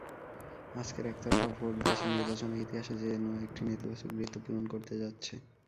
আজকের একতরফা ভোট দেশের নির্বাচনের ইতিহাসে যেন একটি নেতিবাচক বৃত্ত পূরণ করতে যাচ্ছে।